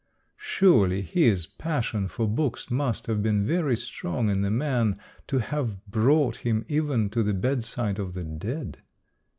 Surely this passion for books must have been very strong in the man, to have brought him even to the bedside of the dead.